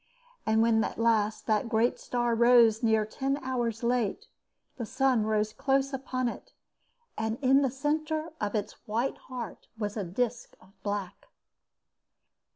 And when at last the great star rose near ten hours late, the sun rose close upon it, and in the centre of its white heart was a disc of black.